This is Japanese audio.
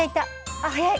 あっ早い。